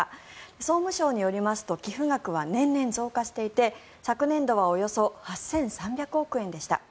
総務省によりますと寄付額は年々増加していて昨年度はおよそ８３００億円でした。